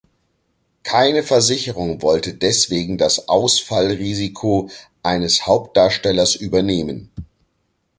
Keine Versicherung wollte deswegen das Ausfall-Risiko eines Hauptdarstellers übernehmen.